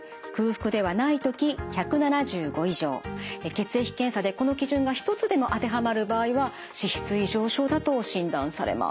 血液検査でこの基準が一つでも当てはまる場合は脂質異常症だと診断されます。